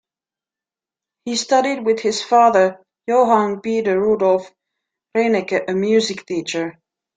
He studied with his father, Johann Peter Rudolph Reinecke, a music teacher.